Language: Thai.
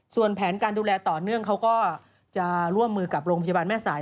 ส่วนแผนการดูแลต่อเนื่องเขาก็จะร่วมมือกับโรงพยาบาลแม่สาย